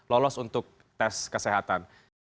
lolos untuk tes kesehatan